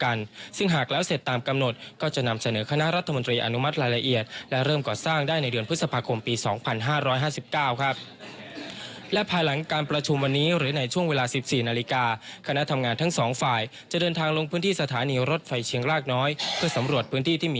กันซึ่งหากแล้วเสร็จตามกำหนดก็จะนำเสนอคณะรัฐมนตรีอนุมัติรายละเอียดและเริ่มก่อสร้างได้ในเดือนพฤษภาคมปี๒๕๕๙ครับและภายหลังการประชุมวันนี้หรือในช่วงเวลา๑๔นาฬิกาคณะทำงานทั้งสองฝ่ายจะเดินทางลงพื้นที่สถานีรถไฟเชียงรากน้อยเพื่อสำรวจพื้นที่ที่มี